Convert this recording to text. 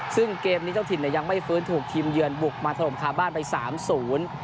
ซึ่งเกมนี้เจ้าถิ่นเนี่ยยังไม่ฟื้นถูกทีมเยือนบุกมาถล่มคาบ้านไปสามศูนย์